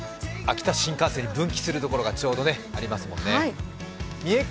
秋田新幹線に分岐するところがちょうどありますもんね。